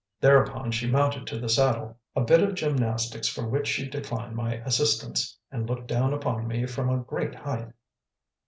Thereupon she mounted to the saddle, a bit of gymnastics for which she declined my assistance, and looked down upon me from a great height.